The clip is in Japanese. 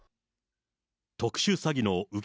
特殊詐欺の受け